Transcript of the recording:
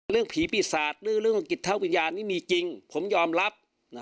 เรื่องผีปีศาจหรือเรื่องกิจเท่าวิญญาณนี่มีจริงผมยอมรับ